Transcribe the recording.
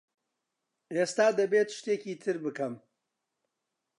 ئێستا دەبێت شتێکی تر بکەم.